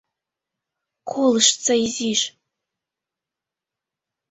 — Колыштса изиш...